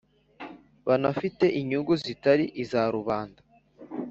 banafite inyungu zitari iza rubanda.